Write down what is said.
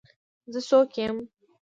زه څوک یم.